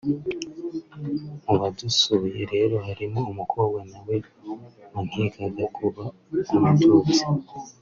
Mu badusuye rero harimo umukobwa nawe wankekaga kuba umututsi